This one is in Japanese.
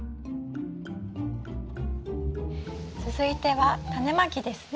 続いてはタネまきですね？